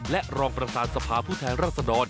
และรองประธานสภาผู้แทนรัศดร